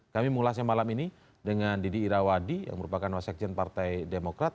kami mengulasnya malam ini dengan didi irawadi yang merupakan wasekjen partai demokrat